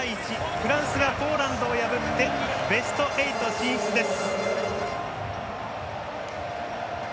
フランスがポーランドを破ってベスト８進出です。